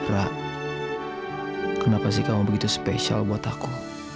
rah kenapa sih kamu begitu spesial buat aku